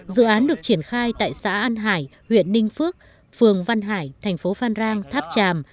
dự án được triển khai tại xã an hải huyện ninh phước phường văn hải thành phố phan rang tháp tràm